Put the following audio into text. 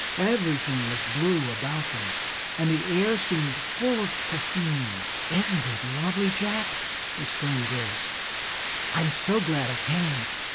Everything was blue about them, and the air seemed full of perfume. "Isn't it lovely, Jack!" exclaimed Grace. "I'm so glad I came!"